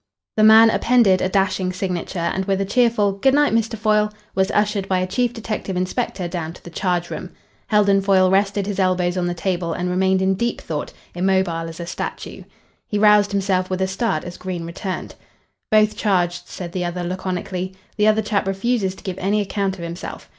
The man appended a dashing signature, and with a cheerful "Good night, Mr. Foyle," was ushered by a chief detective inspector down to the charge room. Heldon Foyle rested his elbows on the table and remained in deep thought, immobile as a statue. He roused himself with a start as Green returned. "Both charged," said the other laconically. "The other chap refuses to give any account of himself.